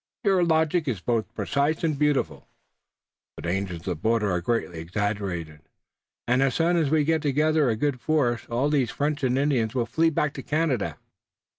"Your logic is both precise and beautiful. The dangers of the border are greatly exaggerated, and as soon as we get together a good force all these French and Indians will flee back to Canada.